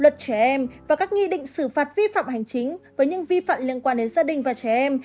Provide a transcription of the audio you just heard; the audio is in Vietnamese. luật trẻ em và các nghị định xử phạt vi phạm hành chính với những vi phạm liên quan đến gia đình và trẻ em